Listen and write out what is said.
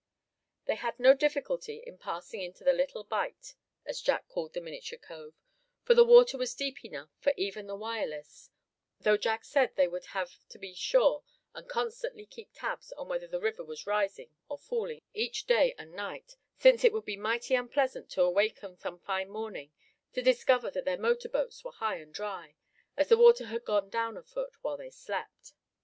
They had no difficulty in passing into the little "bight," as Jack called the miniature cove, for the water was deep enough for even the Wireless; although Jack said they would have to be sure and constantly keep tabs on whether the river was rising or falling each day and night, since it would be mighty unpleasant to awaken some fine morning to discover that their motor boats were high and dry; as the water had gone down a foot while they slept.